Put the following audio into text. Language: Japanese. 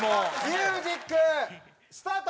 ミュージックスタート！